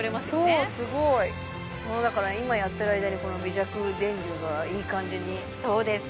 そうすごいだから今やってる間にこの微弱電流がいい感じにそうです